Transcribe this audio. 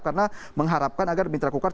karena mengharapkan agar mitra kukar